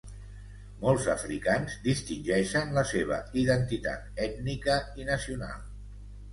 Molts africans distingeixen la seva identitat ètnica i nacional.